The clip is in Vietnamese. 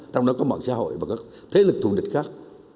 trong đó có mọi xã hội và các thế lực thủ địch khác